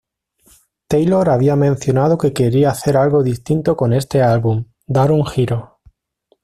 Taylor había mencionado que quería hacer algo distinto con este álbum, dar un giro.